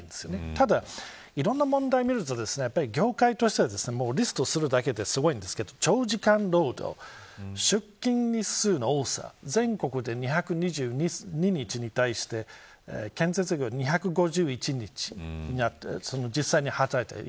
ただ、いろんな問題を見ると業界としては、リストするだけですごいんですけど長時間労働出勤日数の多さ全国で２２２日に対して建設業２５１日になっていて実際に働いている日。